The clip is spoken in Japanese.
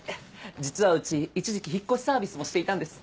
実はうち一時期引っ越しサービスもしていたんです。